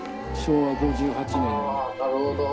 昭和５８年。